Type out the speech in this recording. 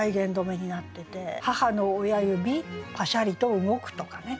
「母の親指パシャリと動く」とかね。